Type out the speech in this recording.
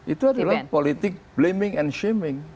itu adalah politik blaming and shaming